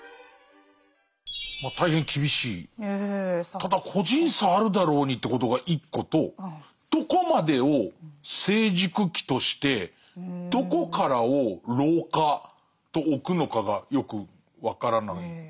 ただ個人差あるだろうにということが一個とどこまでを成熟期としてどこからを老化とおくのかがよく分からないかな。